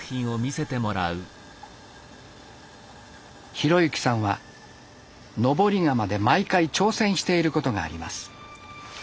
浩之さんは登り窯で毎回挑戦していることがあります。